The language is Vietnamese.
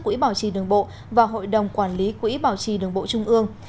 quỹ bảo trì đường bộ và hội đồng quản lý quỹ bảo trì đường bộ trung ương